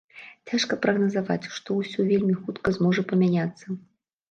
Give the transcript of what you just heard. Цяжка прагназаваць, што ўсё вельмі хутка зможа памяняцца.